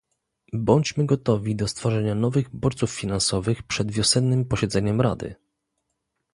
Bądźmy gotowi do stworzenia nowych bodźców finansowych przed wiosennym posiedzeniem Rady